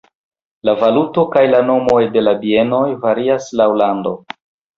La valuto kaj la nomoj de la bienoj varias laŭ lando.